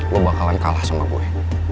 gue bakalan kalah sama gue